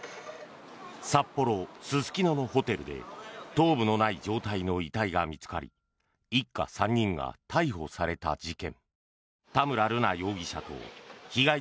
札幌・すすきののホテルで頭部のない状態の遺体が見つかり一家３人が逮捕された事件。